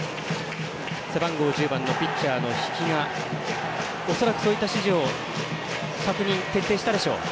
背番号１０番のピッチャーの比氣が恐らく、そういった指示を確認徹底したでしょう。